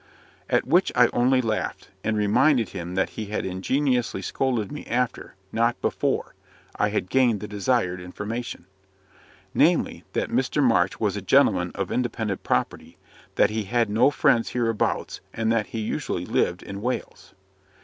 At which I only laughed, and reminded him that he had ingeniously scolded me after, not before, I had gained the desired information namely, that Mr. March was a gentleman of independent property that he had no friends hereabouts, and that he usually lived in Wales.